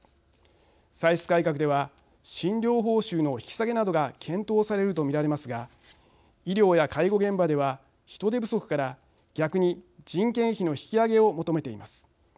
歳出改革では診療報酬の引き下げなどが検討されると見られますが医療や介護現場では人出不足から、逆に人件費の引き上げを求めています。